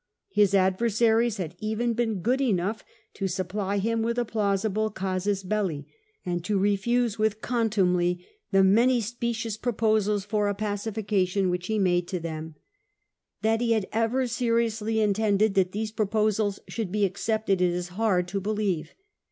His adversaries had even been good enough to supply him with a plausible ca^m deU% and to refuse with contuxnely tbe many specious proposals for a pacification which he made to tlu^m. That he had ever seriously intended that these proposals should be accepted it is hard to believe.